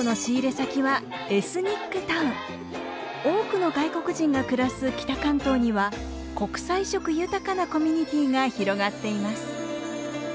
多くの外国人が暮らす北関東には国際色豊かなコミュニティーが広がっています。